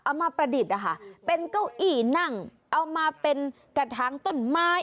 มาประดิษฐ์นะคะเป็นเก้าอี้นั่งเอามาเป็นกระถางต้นไม้